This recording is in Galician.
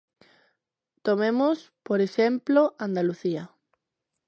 Tomemos, por exemplo, Andalucía.